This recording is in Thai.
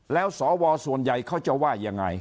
แล้วสวส่วนใหญ่เขาจะว่ายังไง